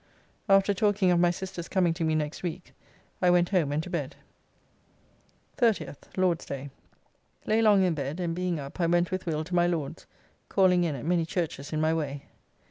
After talking of my sister's coming to me next week, I went home and to bed. 30th (Lord's day). Lay long in bed, and being up, I went with Will to my Lord's, calling in at many churches in my way.